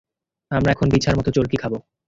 আমরা এখন বিছার মতো চরকি খাবো।